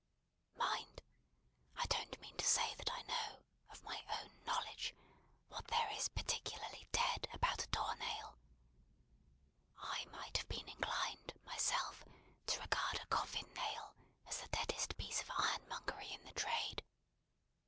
Mind! I don't mean to say that I know, of my own knowledge, what there is particularly dead about a door nail. I might have been inclined, myself, to regard a coffin nail as the deadest piece of ironmongery in the trade.